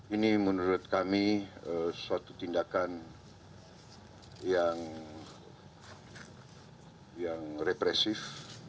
ini menurut kami suatu tindakan yang represif